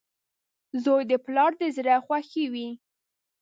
• زوی د پلار د زړۀ خوښي وي.